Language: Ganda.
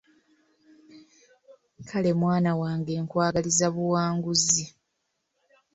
Kale mwana wange nkwagaliza buwanguzi!